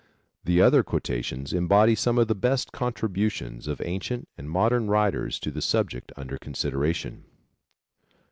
The other quotations embody some of the best contributions of ancient and modern writers to the subject under consideration.